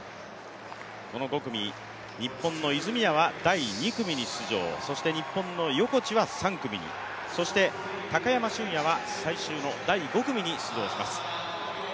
この５組、日本の泉谷は第２組に出場そして日本の横地は３組に、高山は最終の第５組に出場します。